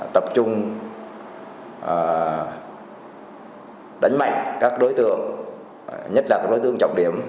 tập trung đánh mạnh các đối tượng nhất là các đối tượng trọng điểm